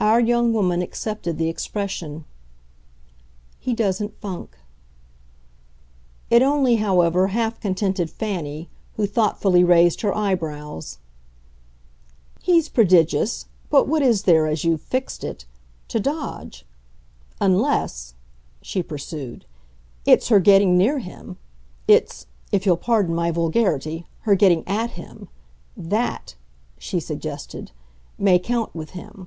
Our young woman accepted the expression. "He doesn't funk." It only, however, half contented Fanny, who thoughtfully raised her eyebrows. "He's prodigious; but what is there as you've 'fixed' it TO dodge? Unless," she pursued, "it's her getting near him; it's if you'll pardon my vulgarity her getting AT him. That," she suggested, "may count with him."